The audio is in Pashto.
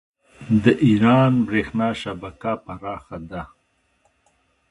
د ایران بریښنا شبکه پراخه ده.